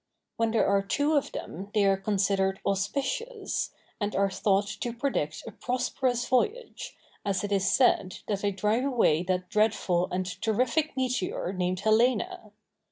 When there are two of them they are considered auspicious, and are thought to predict a prosperous voyage, as it is said that they drive away that dreadful and terrific meteor named Helena.